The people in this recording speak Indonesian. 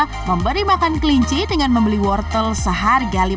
untuk mencoba u twist sesuai dengan urutan dan kemungkinan lekol